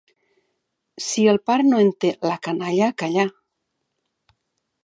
Si el pare no en té, la canalla a callar.